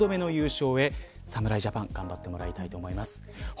３大会ぶり３度目の優勝へ侍ジャパン頑張ってもらいたいと思います。